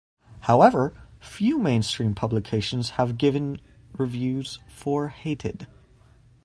However, few mainstream publications have given reviews for "Hated".